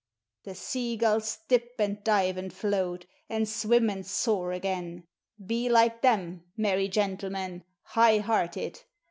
The sea gulls dip and dive and float, and swim and soar again; Be like them, merry gentlemen, high hearted!